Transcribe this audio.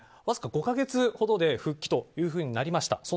わずか５か月ほどで復帰となりました。